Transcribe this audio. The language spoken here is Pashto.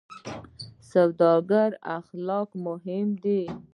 د سوداګرۍ اخلاق مهم دي